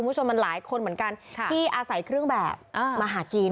คุณผู้ชมมันหลายคนเหมือนกันที่อาศัยเครื่องแบบมาหากิน